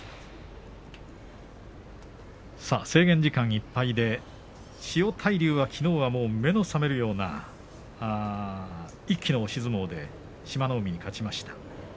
制限時間いっぱいで千代大龍はきのう目の覚めるような一気の押し相撲で志摩ノ海に勝ちました。